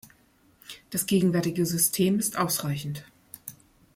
Das gegenwärtige System ist ausreichend.